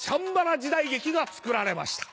時代劇が作られました。